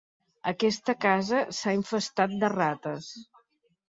Aquesta casa s'ha infestat de rates.